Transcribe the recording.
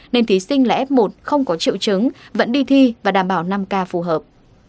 nên thí sinh là f một không có triệu chứng vẫn đi thi và đảm bảo năm k phù hợp